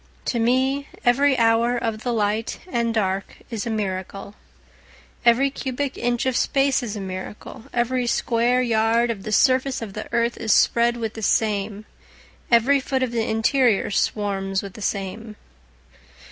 To me every hour of the light and dark is a miracle, Every cubic inch of space is a miracle, Every square yard of the surface of the earth is spread with the same, Every foot of the interior swarms with the same.